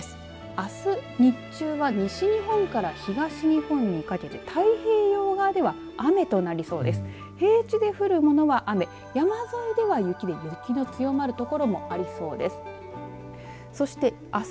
あす日中は西日本から東日本にかけて太平洋側では雨となりそうです。